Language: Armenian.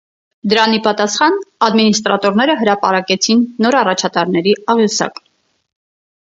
Դրան ի պատասխան, ադմինիստրատորները հրապարակեցին նոր առաջատարների աղյուսակ։